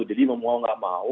jadi mau nggak mau